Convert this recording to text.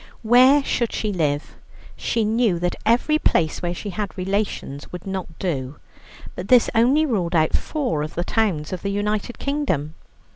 Where should she live? She knew that every place where she had relations would not do, but this only ruled out four of the towns of the United Kingdom.